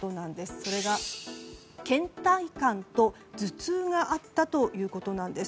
それが、倦怠感と頭痛があったということなんです。